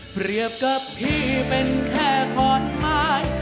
เปรียบกับพี่เป็นแค่ขอนไม้